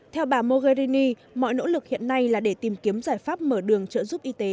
theo bà mogherini mọi nỗ lực hiện nay là để tìm kiếm giải pháp mở đường trợ giúp y tế